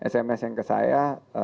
sms yang ke saya